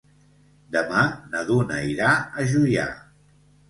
Demà na Duna irà a Juià.